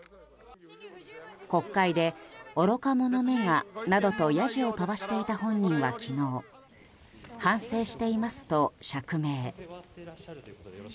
国会で「愚か者めが」などとやじを飛ばしていた本人は昨日反省していますと釈明。